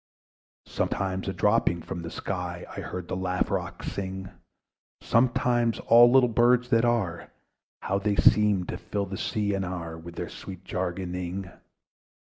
Sometimes a dropping from the sky I heard the sky lark sing; Sometimes all little birds that are, How they seemed to fill the sea and air With their sweet jargoning!